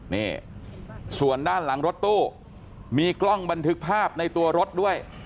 นี่ส่วนด้านหลังรถตู้มีกล้องบันทึกภาพในตัวรถด้วย